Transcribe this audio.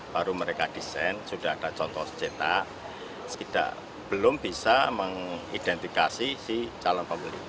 baru mereka desain sudah ada contoh cetak belum bisa mengidentifikasi si calon pembeli